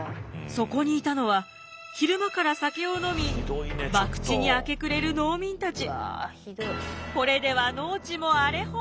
そこにいたのは昼間から酒を飲み博打に明け暮れる農民たち。